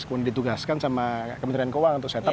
kemudian ditugaskan sama kementerian keuangan untuk setup